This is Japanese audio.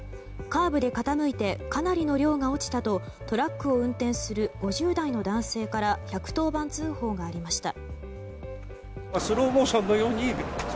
カーブで傾いてかなりの量が落ちたとトラックを運転する５０代の男性から１１０番通報がありました。